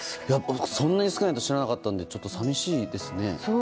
そんなに少ないと知らなかったので寂しいですね。